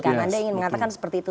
anda ingin mengatakan seperti itu